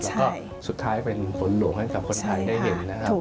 แล้วก็สุดท้ายเป็นฝนหลวงให้กับคนไทยได้เห็นนะครับ